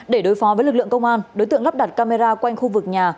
để đối phó với lực lượng công an đối tượng lắp đặt camera quanh khu vực nhà